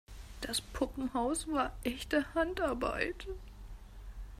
Das Puppenhaus war echte Handarbeit.